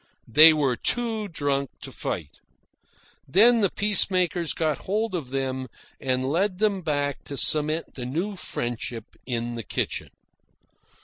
They were too drunk to fight. Then the peacemakers got hold of them and led them back to cement the new friendship in the kitchen.